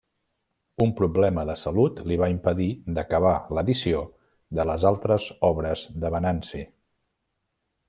Un problema de salut li va impedir d'acabar l'edició de les altres obres de Venanci.